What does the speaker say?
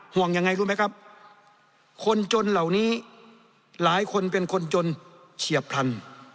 ห่วงยังไงรู้ไหมครับคนจนเหล่านี้หลายคนเป็นคนจนเฉียบพลัน